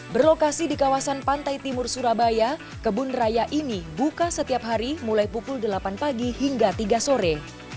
berlokasi di kawasan pantai timur surabaya kebun raya ini buka setiap hari mulai pukul delapan pagi hingga tiga sore